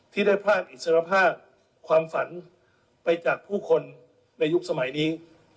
ที่ได้พรากอิสรภาพความฝันไปจากผู้คนในยุคสมัยนี้